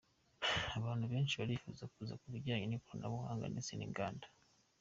Abantu benshi barifuza kuza mu bijyanye n’ikoranabuhanga ndetse n’inganda.